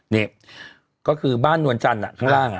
นี่ก็คือบ้านนวลจันทร์ข้างล่าง